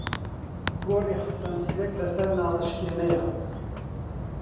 گۆڕی حەسەن زیرەک لەسەر ناڵەشکێنەیە.